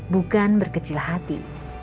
bukan berkecil hati